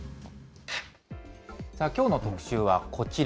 さあ、きょうの特集はこちら。